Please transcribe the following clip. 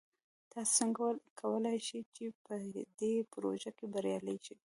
تاسو څنګه کولی شئ چې په دې پروژه کې بریالي شئ؟